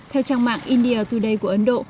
theo trang mạng india today của ấn độ